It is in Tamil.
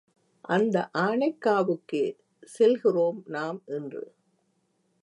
அந்த ஆனைக்காவுக்கே செல்கிறோம் நாம் இன்று.